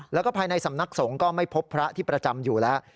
แล้วก็ภายในสำนักสงฆ์ก็ไม่พบพระที่ประจำอยู่แล้ว